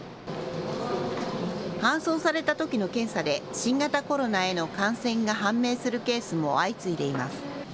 搬送されたときの検査で新型コロナへの感染が判明するケースも相次いでいます。